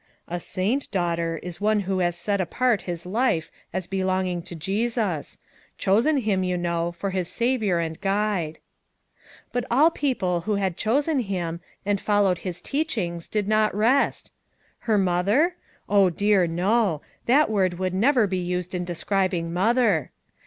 "A saint, daughter, is one who has set apart his FOUR MOTHERS AT CHAUTAUQUA 135 life as belonging to Jesus; chosen him, you know, for his Saviour and Guide.' ' But all people who had chosen him, and followed his teachings did not rest. Her mother? dear, no ! that word would never be used in describ ing Mother.